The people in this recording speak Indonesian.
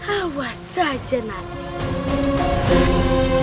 awas saja nanti